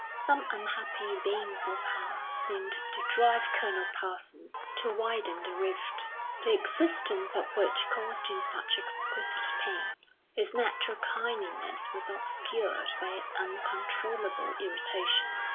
Some unhappy, baneful power seemed to drive Colonel Parsons to widen the rift, the existence of which caused him such exquisite pain; his natural kindliness was obscured by an uncontrollable irritation.